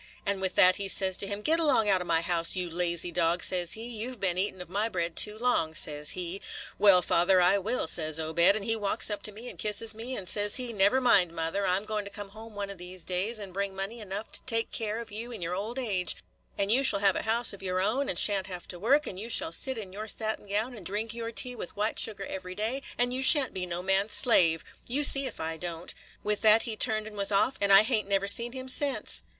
And with that he says to him, 'Get along out of my house, you lazy dog,' says he; 'you 've been eatin' of my bread too long,' says he. 'Well, father, I will,' says Obed. And he walks up to me and kisses me, and says he, 'Never mind, mother, I 'm going to come home one of these days and bring money enough to take care of you in your old age; and you shall have a house of your own, and sha' n't have to work; and you shall sit in your satin gown and drink your tea with white sugar every day, and you sha' n't be no man's slave. You see if I don't.' With that he turned and was off; and I hain't never seen him since."